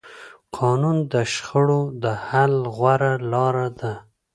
قانون د شخړو د حل غوره لاره ده